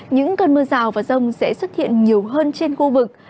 những cơn mưa rào và rông sẽ xuất hiện nhiều hơn trên khu vực